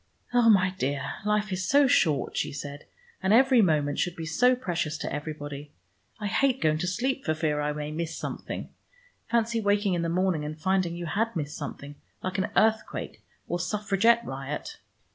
"Oh, my dear, life is so short," she said, "and every moment should be so precious to everybody. I hate going to sleep, for fear I may miss something. Fancy waking in the morning and finding you had missed something, like an earthquake or suffragette riot!